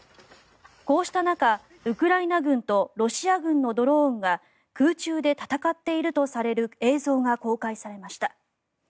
こうした中、ウクライナ軍とロシア軍のドローンが空中で戦っているとされる映像が公開されました。